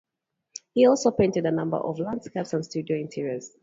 He also painted a number of landscapes and studio interiors.